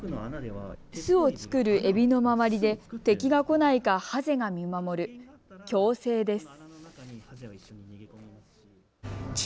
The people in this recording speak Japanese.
巣を作るエビの周りで敵が行いかハゼが見守る共生です。